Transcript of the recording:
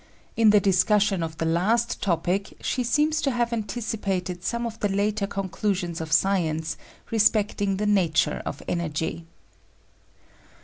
In the discussion of the last topic she seems to have anticipated some of the later conclusions of science respecting the nature of energy.